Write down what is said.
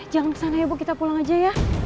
jangan kesana ya bu kita pulang aja ya